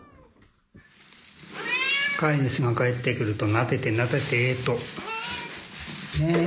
飼い主が帰ってくるとなでてなでてとね！